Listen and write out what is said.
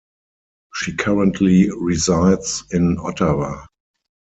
She currently resides in Ottawa.